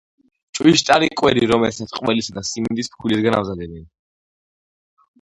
ჭვიშტარი კვერი, რომელსაც ყველისა და სიმინდის ფქვილისგან ამზადებენ.